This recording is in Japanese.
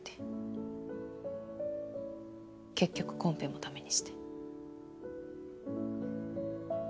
結局コンペも駄目にして。